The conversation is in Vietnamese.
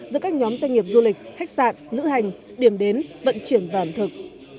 giữa các nhóm doanh nghiệp du lịch khách sạn lữ hành điểm đến vận chuyển và ẩm thực